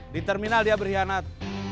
di terminal dia berkhianat